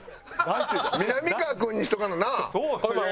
みなみかわ君にしとかな。なあ？